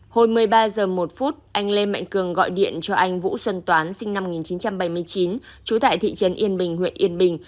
hồi một mươi ba h một anh lê mạnh cường gọi điện cho anh vũ xuân toán sinh năm một nghìn chín trăm bảy mươi chín trú tại thị trấn yên bình huyện yên bình